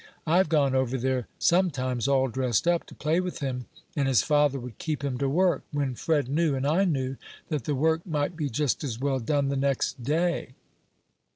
I've gone over there sometimes, all dressed up, to play with him, and his father would keep him to work, when Fred knew, and I knew, that the work might be just as well done the next day.